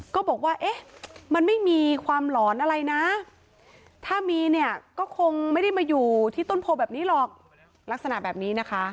ก็บอกว่าเอ๊ะมันไม่มีความหลอนอะไรนะถ้ามีเนี่ยก็คงไม่ได้มาอยู่ที่ต้นโพแบบนี้หรอกลักษณะแบบนี้นะคะ